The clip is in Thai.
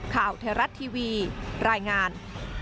ข่าวเทราะท์ทีวีรายงาน